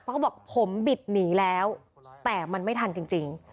เพราะเขาบอกผมบิดหนีแล้วแต่มันไม่ทันจริง